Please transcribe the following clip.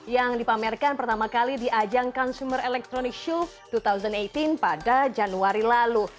yang dipamerkan pertama kali di ajang consumer electronic show dua ribu delapan belas pada januari lalu